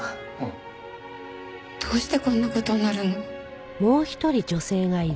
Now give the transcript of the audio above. どうしてこんな事になるの？